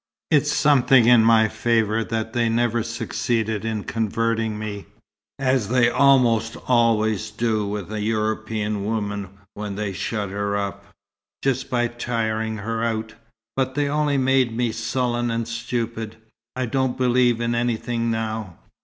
It's something in my favour that they never succeeded in 'converting' me, as they almost always do with a European woman when they've shut her up just by tiring her out. But they only made me sullen and stupid. I don't believe in anything now.